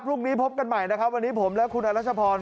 พรุ่งนี้พบกันใหม่นะครับวันนี้ผมและคุณอรัชพร